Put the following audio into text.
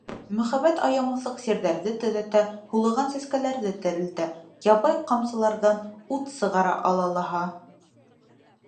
Мөхәббәт аямаҫлыҡ сирҙәрҙе төҙәтә, һулыған сәскәләрҙе терелтә, ябай ҡамсыларҙан ут сығара ала лаһа.